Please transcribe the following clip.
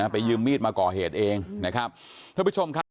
ไปยืมมีดมาก่อเหตุเองนะครับ